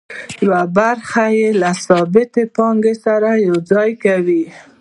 یوه برخه یې له ثابتې پانګې سره یوځای کوي